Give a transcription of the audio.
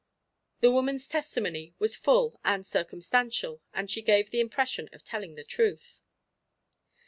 The woman's testimony was full and circumstantial, and she gave the impression of telling the truth.